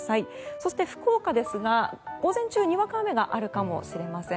そして、福岡ですが午前中、にわか雨があるかもしれません。